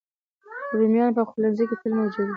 رومیان په پخلنځي کې تل موجود وي